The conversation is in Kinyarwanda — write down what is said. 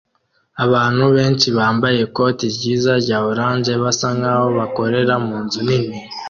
Abantu benshi bambaye ikoti ryiza rya orange basa nkaho bakorera munzu nini